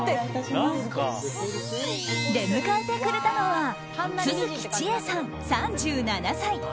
出迎えてくれたのは續智恵さん、３７歳。